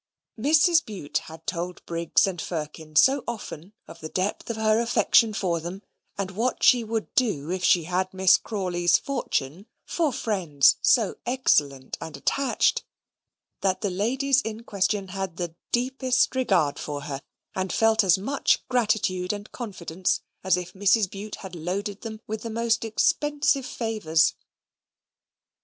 Mrs. Bute had told Briggs and Firkin so often of the depth of her affection for them; and what she would do, if she had Miss Crawley's fortune, for friends so excellent and attached, that the ladies in question had the deepest regard for her; and felt as much gratitude and confidence as if Mrs. Bute had loaded them with the most expensive favours.